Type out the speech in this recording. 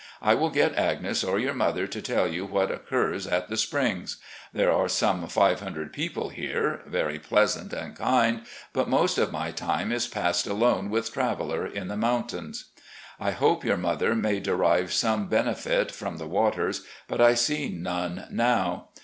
I will get Agnes or your mother to tell you what occurs at the Springs. There are some 500 people here, very pleasant and kind, but most of my time is passed alone with Traveller in the mountains. I hope your mother may derive some benefit from the waters, but I see none now.